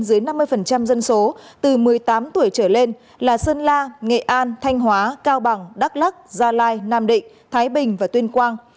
dưới năm mươi dân số từ một mươi tám tuổi trở lên là sơn la nghệ an thanh hóa cao bằng đắk lắc gia lai nam định thái bình và tuyên quang